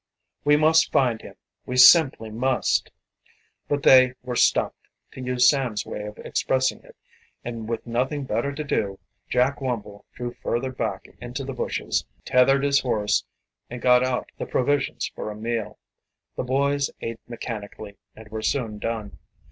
"We must find him we simply must." But they were "stumped," to use Sam's way of expressing it, and with nothing better to do, Jack Wumble drew further back into the bushes, tethered his horse and got out the provisions for a meal. The boys ate mechanically and were soon done.